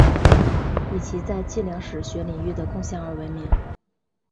以其在计量史学领域的贡献而闻名。